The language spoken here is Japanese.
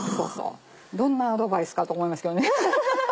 どんなアドバイスかと思いますけどね。